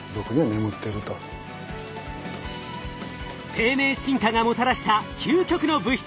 生命進化がもたらした究極の物質